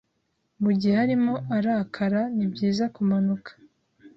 Mu gihe arimo arakara ni byiza kumanuka